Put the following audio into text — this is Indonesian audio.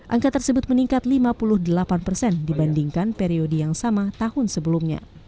angka tersebut meningkat lima puluh delapan persen dibandingkan periode yang sama tahun sebelumnya